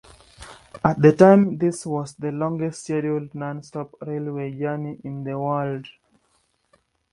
At the time this was the longest scheduled non-stop railway journey in the world.